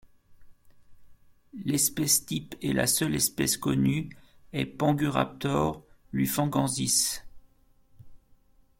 L'espèce type et la seule espèce connue est Panguraptor lufengensis.